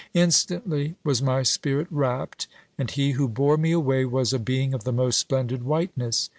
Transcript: Instantly was my spirit rapt, and he who bore me away was a being of the most splendid whiteness.